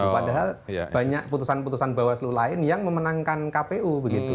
padahal banyak putusan putusan bawaslu lain yang memenangkan kpu begitu